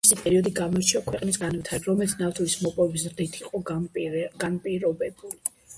მისი პერიოდი გამოირჩეოდა ქვეყნის განვითარებით, რომელიც ნავთობის მოპოვების ზრდით იყო განპირობებული.